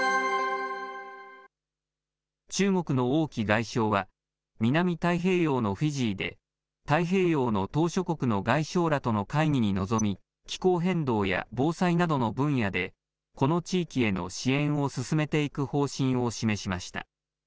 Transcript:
中国の王毅外相は、南太平洋のフィジーで、太平洋の島しょ国の外相らとの会議に臨み、気候変動や防災などの分野で、この地域への支援を進めていく方針を示しました。